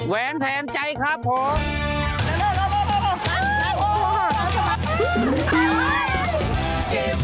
แวนแทนใจครับผม